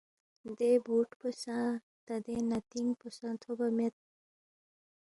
دے بُوٹ پو سہ، تا دے نتِنگ پو سہ تھوبا مید